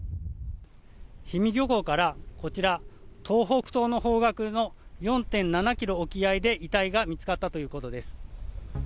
氷見漁港からこちら、東北東の方角の４．７キロ沖合で遺体が見つかったということです。